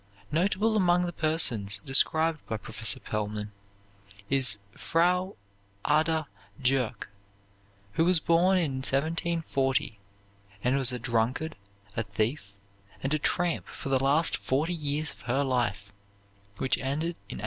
Notable among the persons described by Professor Pellman is Frau Ada Jurke, who was born in 1740, and was a drunkard, a thief, and a tramp for the last forty years of her life, which ended in 1800.